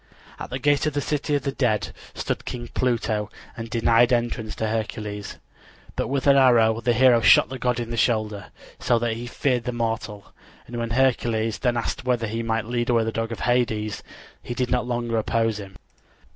At the gate of the City of the Dead stood King Pluto, and denied entrance to Hercules. But with an arrow the hero shot the god in the shoulder, so that he feared the mortal; and when Hercules then asked whether he might lead away the dog of Hades he did not longer oppose him.